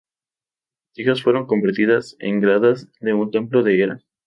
Sus hijas fueron convertidas en gradas de un templo de Hera.